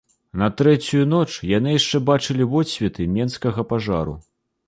На трэцюю ноч яны яшчэ бачылі водсветы менскага пажару.